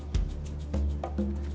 udah tapi nih ya